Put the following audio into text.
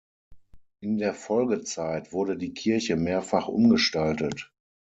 In der Folgezeit wurde die Kirche mehrfach umgestaltet.